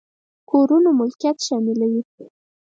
کورونو ملکيت شاملوي.